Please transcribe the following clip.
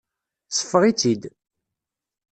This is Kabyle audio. Seffeɣ-itt-id.